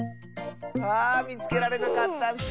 あみつけられなかったッス！